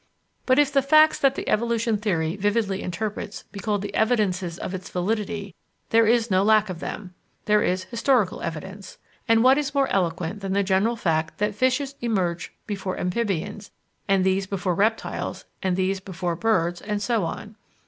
But if the facts that the evolution theory vividly interprets be called the evidences of its validity, there is no lack of them. There is historical evidence; and what is more eloquent than the general fact that fishes emerge before amphibians, and these before reptiles, and these before birds, and so on?